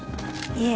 いえ。